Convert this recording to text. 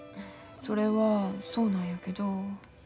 それはそうなんやけど。